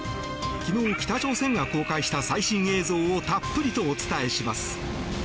昨日、北朝鮮が公開した最新映像をたっぷりとお伝えします。